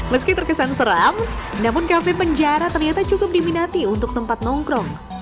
meski terkesan seram namun kafe penjara ternyata cukup diminati untuk tempat nongkrong